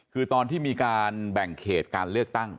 คือตอนที่มีการแบ่งเขตการเลือกตั้ง